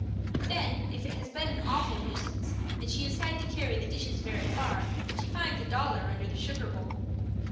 Then if it has been an awful nuisance, and she has had to carry the dishes very far, she finds a dollar under the sugar bowl.